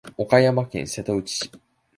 岡山県瀬戸内市